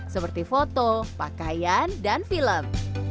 seperti foto pakaian dan film